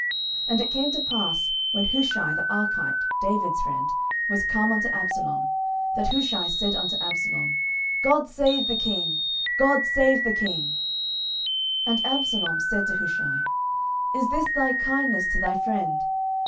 10:016:016 And it came to pass, when Hushai the Archite, David's friend, was come unto Absalom, that Hushai said unto Absalom, God save the king, God save the king. 10:016:017 And Absalom said to Hushai, Is this thy kindness to thy friend?